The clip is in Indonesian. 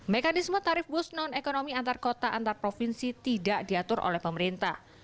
mekanisme tarif bus non ekonomi antar kota antar provinsi tidak diatur oleh pemerintah